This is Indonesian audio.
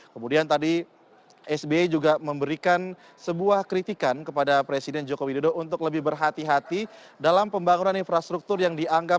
kemudian tadi sby juga memberikan sebuah kritikan kepada presiden joko widodo untuk lebih berhati hati dalam pembangunan infrastruktur yang dianggap